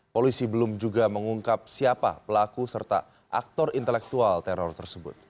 polisi belum juga mengungkap siapa pelaku serta aktor intelektual teror tersebut